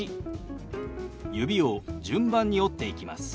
指を順番に折っていきます。